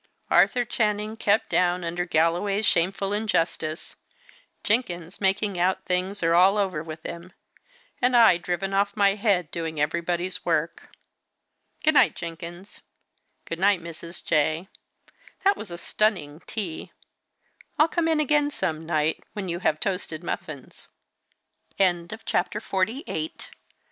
Arthur Channing kept down under Galloway's shameful injustice; Jenkins making out that things are all over with him; and I driven off my head doing everybody's work! Good night, Jenkins. Good night, Mrs. J. That was a stunning tea! I'll come in again some night, when you have toasted muffins!" CHAPTER XLIX. A CHÂTEAU EN ESPAGNE.